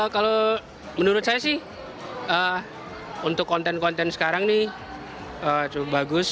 kalau menurut saya sih untuk konten konten sekarang nih cukup bagus